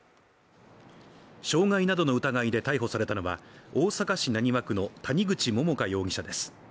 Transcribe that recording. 傷害などの疑いで逮捕されたのは大阪市浪速区の谷口桃花容疑者です。